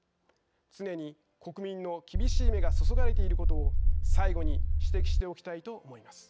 常に国民の厳しい目が注がれていることを最後に指摘しておきたいと思います。